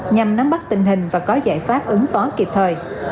nhằm nắm bắt tình hình và có giải pháp ứng phó kịp thời